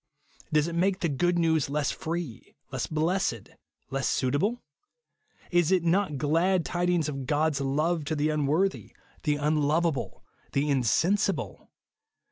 Does it make the good news less free, less blessed, less suitable ? Is it not glad tidings of God's love to the unworthy, the imloveable, the insensible